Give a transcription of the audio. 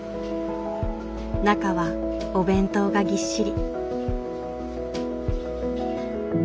中はお弁当がぎっしり。